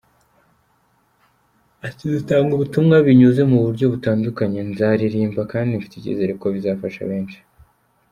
Ati “Dutanga ubutumwa binyuze mu buryo butandukanye, nzaririmba kandi mfite icyizere ko bizafasha benshi.